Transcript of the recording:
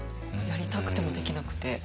やりたくてもできなくて。